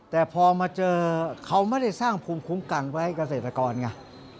แต่พอมาเจอเขาไม่ได้สร้างภูมิคุ้มกันไว้เกษตรกรไง